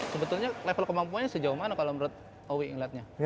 sebetulnya level kemampuannya sejauh mana kalau menurut owi